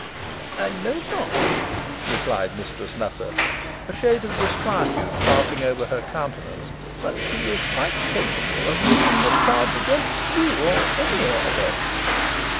"I know not," replied Mistress Nutter, a shade of disquietude passing over her countenance. "But he is quite capable of bringing the charge against you or any of us."